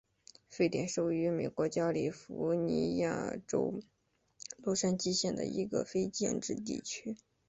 沸点是位于美国加利福尼亚州洛杉矶县的一个非建制地区。